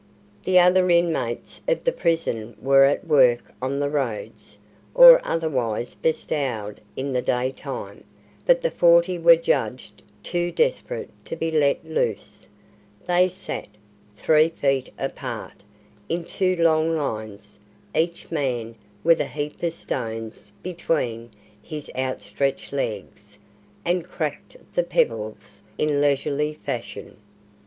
The other inmates of the prison were at work on the roads, or otherwise bestowed in the day time, but the forty were judged too desperate to be let loose. They sat, three feet apart, in two long lines, each man with a heap of stones between his outstretched legs, and cracked the pebbles in leisurely fashion.